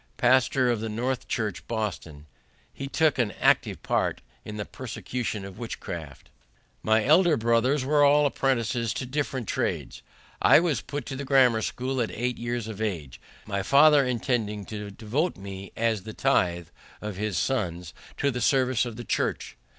Pastor of the North Church, Boston. He took an active part in the persecution of witchcraft. Nantucket. My elder brothers were all put apprentices to different trades. I was put to the grammar school at eight years of age, my father intending to devote me, as the tithe of his sons, to the service of the Church.